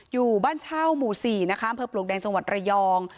อยู่บ้านเช่ามุสี่มบแดงจังหวัดระยอง